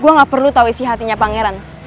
gue gak perlu tahu isi hatinya pangeran